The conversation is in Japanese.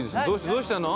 どうしたの？